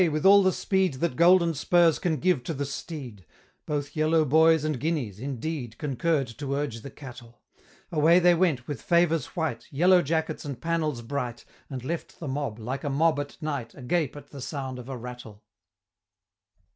with all the speed That golden spurs can give to the steed, Both Yellow Boys and Guineas, indeed, Concurr'd to urge the cattle Away they went, with favors white, Yellow jackets, and panels bright, And left the mob, like a mob at night, Agape at the sound of a rattle.